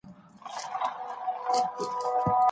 هغې ته په زده کړو کي خنډ نه دی جوړ سوی.